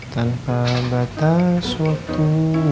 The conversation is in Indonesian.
tanpa batas waktu